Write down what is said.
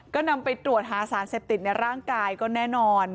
ก็นำไปตรวจหาสารเสพติดในร่างกายก็แน่นอน